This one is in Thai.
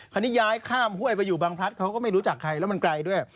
ย้ายข้ามห้วยไปอยู่บางพลัดเขาก็ไม่รู้จักใครแล้วมันไกลด้วย